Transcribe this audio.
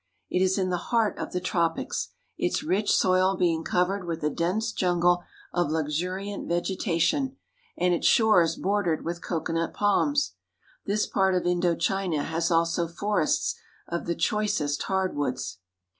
It is in the heart of the tropics, its rich soil being covered with a dense jungle of luxuriant vegetation and its shores bordered with coconut palms. This part of Indo China has also forests of the choicest hard woods.